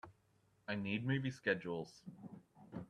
I need movie schedules